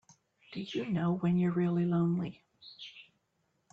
Do you know when you're really lonely?